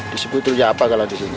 disebut rujak apa kalau di sini